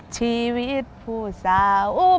ชีวิตผู้สาวอุ้ม